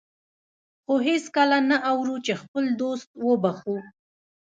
خو هېڅکله نه اورو چې خپل دوست وبخښو.